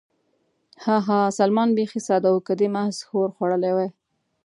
ها، ها، ها، سلمان بېخي ساده و، که دې محض ښور خوړلی وای.